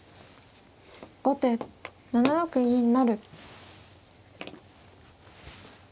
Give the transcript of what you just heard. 後手７六銀成。